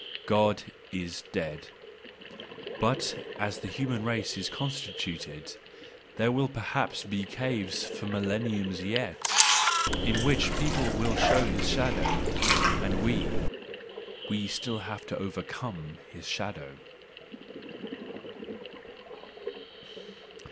God is dead : but as the human race is constituted, there will perhaps be caves for millenniums yet, in which people will show his shadow.—And we—we have still to overcome his shadow!